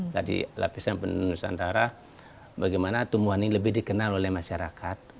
tadi lapisan penduduk nusantara bagaimana tumbuhan ini lebih dikenal oleh masyarakat